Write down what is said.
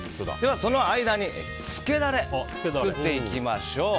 その間に、つけダレを作っていきましょう。